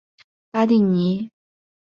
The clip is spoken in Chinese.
巴蒂尼。